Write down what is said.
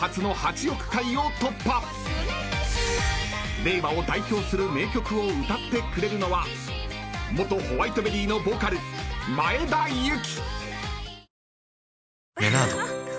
［令和を代表する名曲を歌ってくれるのは元Ｗｈｉｔｅｂｅｒｒｙのボーカル前田有嬉！］